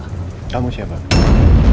kenapa kamu kirim kue beracun ke rumah saya